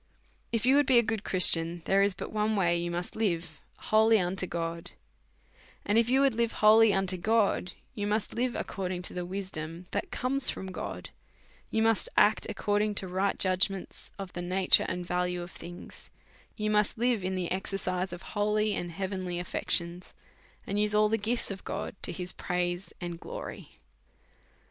If you would be a good Christian, there is but one way ; you must live wholly unto God, you must live according to the wisdom that comes from God ; you must act according to the right judgments of the na ture and value of things ; you must live in the exer cise of holy and heavenly affections, and use all the gifts of God to his praise and glory.